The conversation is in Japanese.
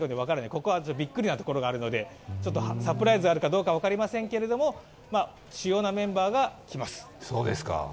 ここはびっくりなところがあるので、サプライズがあるかどうか分かりませんけど主要なメンバーが来ます。